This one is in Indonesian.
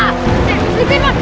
nih selipin nuh